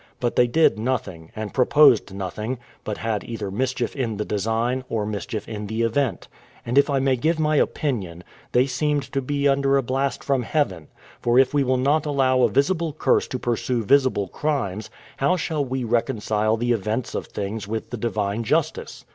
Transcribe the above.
But they did nothing, and proposed nothing, but had either mischief in the design, or mischief in the event. And if I may give my opinion, they seemed to be under a blast from Heaven: for if we will not allow a visible curse to pursue visible crimes, how shall we reconcile the events of things with the divine justice?